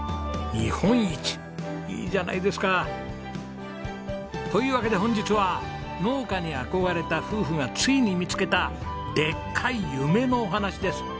いいじゃないですか！というわけで本日は農家に憧れた夫婦がついに見つけたでっかい夢のお話です。